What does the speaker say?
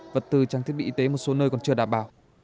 vật tư trang thiết bị y tế một số nơi còn chưa đảm bảo